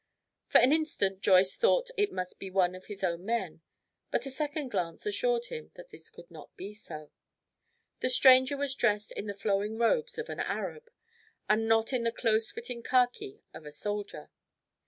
For an instant Joyce thought that it might be one of his own men, but a second glance assured him that this could not be so. The stranger was dressed in the flowing robes of an Arab, and not in the close fitting khaki of a soldier.